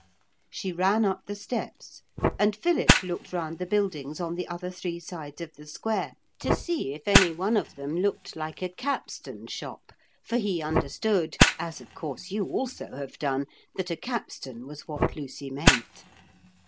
She ran up the steps and Philip looked round the buildings on the other three sides of the square, to see if any one of them looked like a capstan shop, for he understood, as of course you also have done, that a capstan was what Lucy meant.